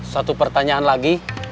satu pertanyaan lagi